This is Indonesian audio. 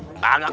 gak gak gak gak